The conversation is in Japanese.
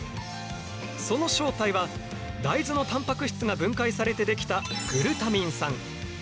その正体は大豆のたんぱく質が分解されて出来たグルタミン酸。